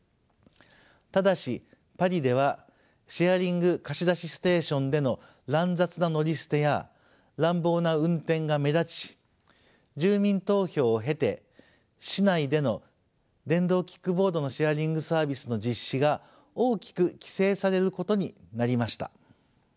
ただしパリではシェアリング貸し出しステーションでの乱雑な乗り捨てや乱暴な運転が目立ち住民投票を経て市内での電動キックボードのシェアリングサービスの実施が大きく規制されることになりました。